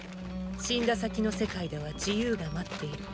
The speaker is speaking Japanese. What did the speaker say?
死んだ先の世界では自由が待っている。